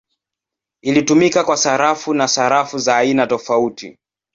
Ilitumika kwa sarafu na sarafu za aina tofauti.